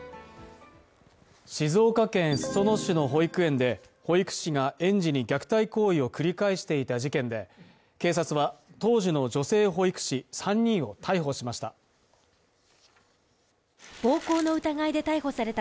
静岡県裾野市の保育園で、保育士が園児に虐待行為を繰り返していた事件で警察は当時の女性保育士３人を逮捕しました。